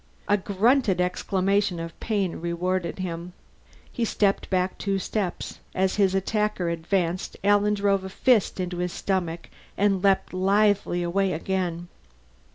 A grunted exclamation of pain rewarded him. He stepped back two steps; as his attacker advanced, Alan drove a fist into his stomach and leaped lithely away again.